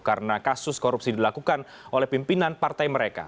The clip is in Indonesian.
karena kasus korupsi dilakukan oleh pimpinan partai mereka